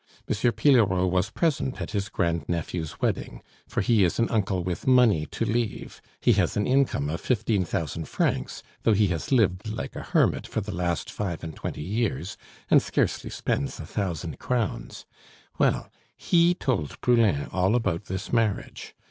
M. Pillerault was present at his grand nephew's wedding for he is an uncle with money to leave; he has an income of fifteen thousand francs, though he has lived like a hermit for the last five and twenty years, and scarcely spends a thousand crowns well, he told Poulain all about this marriage.